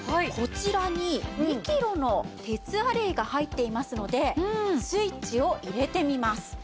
こちらに２キロの鉄アレイが入っていますのでスイッチを入れてみます。